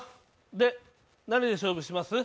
で、何で勝負します？